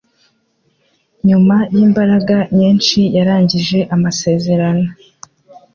Nyuma yimbaraga nyinshi, yarangije amasezerano.